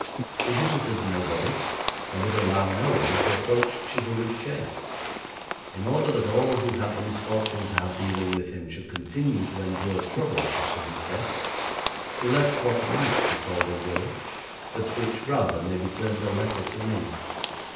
He visited nobody, and would allow no one to approach Chizelrigg Chase. In order that all who had the misfortune to have dealing with him should continue to endure trouble after his death, he left what might be called a will, but which rather may be termed a letter to me.